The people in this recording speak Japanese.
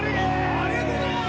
ありがとうございます！